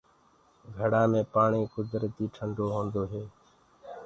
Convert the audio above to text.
گھڙآ مي پآڻي ڪُدرتي ٺنڊو هوندو هي۔